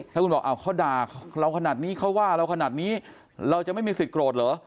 ถ้าคุณบอกเขาด่าเราขนาดนี้เขาว่าเราขนาดนี้เราจะไม่มีสิทธิโกรธเหรอ